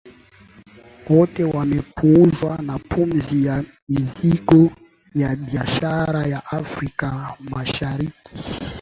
Wote wamepuuzwa na pumzi ya mizigo ya biashara ya Afrika Mashariki